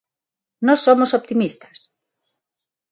Nós somos optimistas.